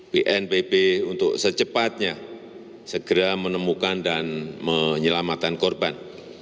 bnpb untuk secepatnya segera menemukan dan menyelamatkan korban